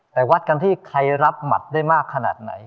แต่วัดกันที่ใครรับหมัดได้มากขนาดไหน